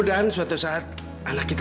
mas apa tidak cukup